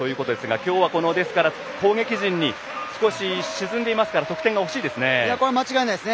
きょうは攻撃陣に少し沈んでいますから得点が欲しいですね。